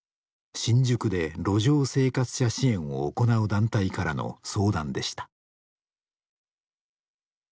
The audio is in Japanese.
新宿で路上生活者支援を行う団体からの相談でした。